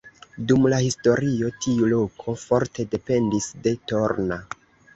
Dum la historio tiu loko forte dependis de Torna.